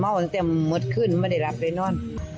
เมาท์เต็มหมดขึ้นไม่ได้รับไปนั่น